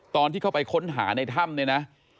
ตอนที่เข้าไปค้นหาในถ้ำเนี่ยนะ